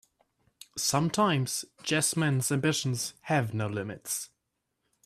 Sometimes Yasmin's ambitions have no limits.